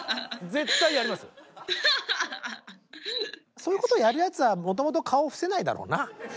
そういうことをやるやつはもともと顔を伏せないだろうな。